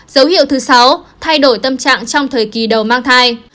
dấu hiệu thứ sáu thay đổi tâm trạng trong thời kỳ đầu mang thai